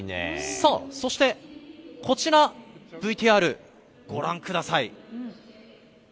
さあそして、こちら、ＶＴＲご覧ください。